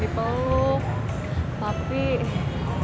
di sini terus adek jika pasal teman andung